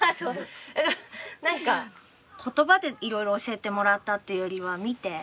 何か言葉でいろいろ教えてもらったっていうよりは見て。